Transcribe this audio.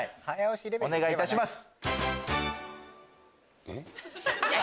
お願いいたします。